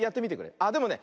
あでもね